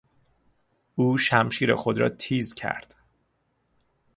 او شمشیر خود را تیز کرد.